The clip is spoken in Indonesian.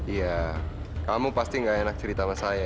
iya kamu pasti gak enak cerita sama saya